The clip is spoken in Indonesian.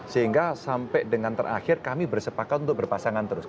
sehingga sampai dengan terakhir kami bersepakat untuk berpasangan terus